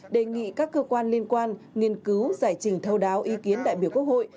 đề nghị các cơ quan liên quan nghiên cứu giải trình thâu đáo ý kiến đại biểu quốc hội